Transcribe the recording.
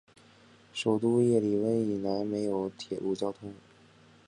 首都叶里温以南没有铁路交通。